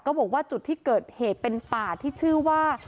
บอกว่าจุดที่เกิดเหตุเป็นป่าที่ชื่อว่า